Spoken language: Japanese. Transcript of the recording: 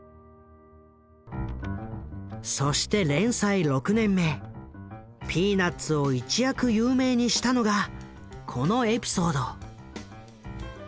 そして連載６年目「ピーナッツ」を一躍有名にしたのがこのエピソード。